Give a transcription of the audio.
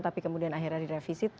tapi kemudian akhirnya direvisit